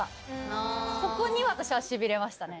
ここに私はシビれましたね。